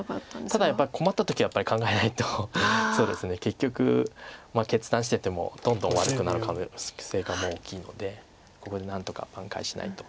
ただやっぱり困った時は考えないと結局決断しててもどんどん悪くなる可能性がもう大きいのでここで何とか挽回しないと。